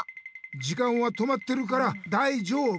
時間は止まってるからだいじょうぶ！